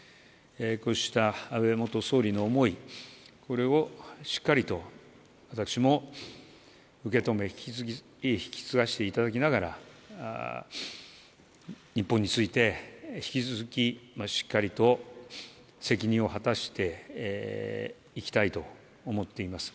こうした安倍元総理の思い、これをしっかりと、私も受け止め、引き継がせていただきながら、日本について引き続き、しっかりと責任を果たしていきたいと思っています。